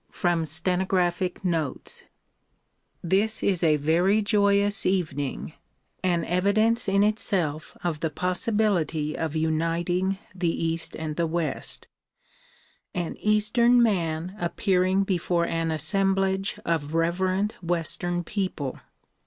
From Stenographic Notes THIS is a very joyous evening, an evidence in itself of the possibility of uniting the east and the west ; an eastern man appearing before an assemblage of reverent western people.